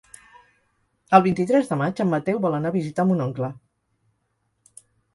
El vint-i-tres de maig en Mateu vol anar a visitar mon oncle.